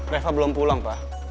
reva belum pulang pak